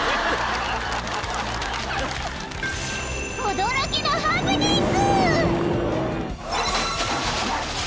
［驚きのハプニング］